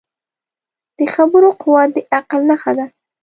د خبرو قوت د عقل نښه ده